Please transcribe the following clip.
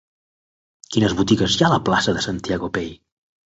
Quines botigues hi ha a la plaça de Santiago Pey?